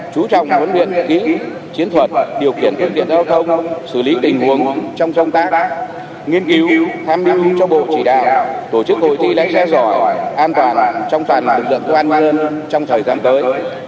chú trọng huấn luyện kỹ chiến thuật điều kiện phương tiện giao thông xử lý tình huống trong công tác nghiên cứu tham lưu cho bộ chỉ đạo tổ chức hội thi lấy giá giỏi an toàn trong toàn lực lượng công an nhân dân trong thời gian tới